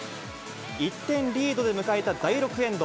１点リードで迎えた第６エンド。